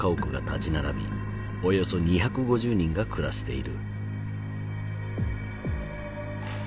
およそ２５０人が暮らしている。